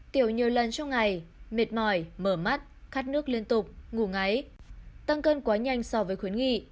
tiểu nhiều lần trong ngày mệt mỏi mở mắt cắt nước liên tục ngủ ngáy tăng cơn quá nhanh so với khuyến nghị